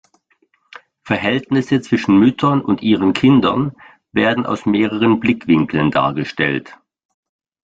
Verhältnisse zwischen Müttern und ihren Kindern werden aus mehreren Blickwinkeln dargestellt.